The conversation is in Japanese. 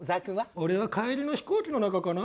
俺は帰りの飛行機の中かな？